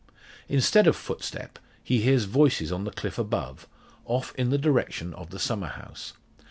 Instead of footstep, he hears voices on the cliff above, off in the direction of the summer house.